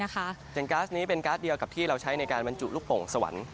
อย่างก๊าซนี้เป็นการ์ดเดียวกับที่เราใช้ในการบรรจุลูกโป่งสวรรค์